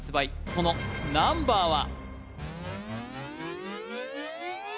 そのナンバーは？